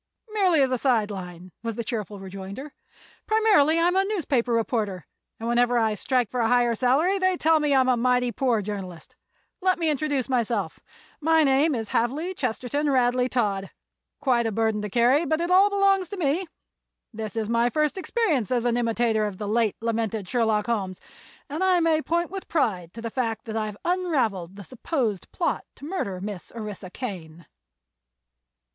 "Merely as a side line," was the cheerful rejoinder. "Primarily I'm a newspaper reporter, and whenever I strike for a higher salary they tell me I'm a mighty poor journalist. Let me introduce myself. My name is Havely Chesterton Radley Todd, quite a burden to carry but it all belongs to me. This is my first experience as an imitator of the late lamented Sherlock Holmes, and I may point with pride to the fact that I've unraveled the supposed plot to murder Miss Orissa Kane."